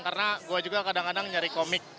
karena gue juga kadang kadang nyari komik